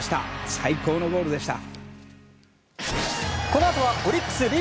最高のゴールでした。